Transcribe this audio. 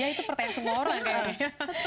ini pertanyaan semua orang kayaknya